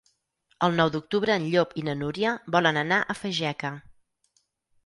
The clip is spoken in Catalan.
El nou d'octubre en Llop i na Núria volen anar a Fageca.